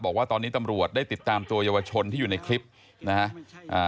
บอกว่าตอนนี้ตำรวจได้ติดตามตัวเยาวชนที่อยู่ในคลิปนะฮะอ่า